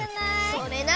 それな！